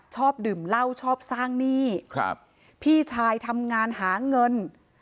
ชอบดื่มเหล้าชอบสร้างหนี้ครับพี่ชายทำงานหาเงิน